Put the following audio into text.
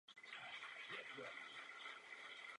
Proto jsme se rozhodli hlasovat proti zprávě.